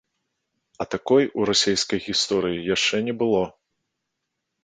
А такой у расейскай гісторыі яшчэ не было.